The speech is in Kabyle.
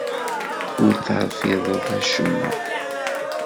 Ur terfideḍ acemma.